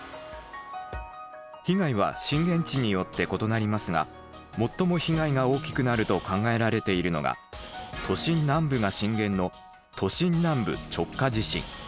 被害は震源地によって異なりますが最も被害が大きくなると考えられているのが都心南部が震源の「都心南部直下地震」。